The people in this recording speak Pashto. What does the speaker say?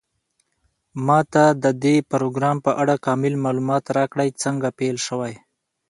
ما ته د دې پروګرام په اړه کامل معلومات راکړئ څنګه پیل شوی